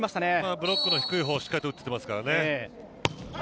ブロックの低い方をしっかりと受けていますからね。